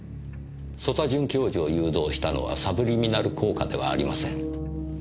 曽田准教授を誘導したのはサブリミナル効果ではありません。